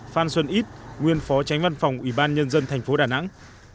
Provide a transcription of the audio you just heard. phan xuân ít nguyên phó tránh văn phòng ủy ban nhân dân thành phố đà nẵng